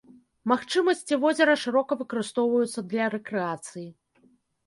Магчымасці возера шырока выкарыстоўваюцца для рэкрэацыі.